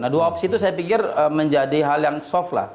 dua opsi itu saya pikir menjadi hal yang soft lah